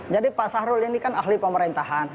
jadi pak syarul ini kan ahli pemerintahan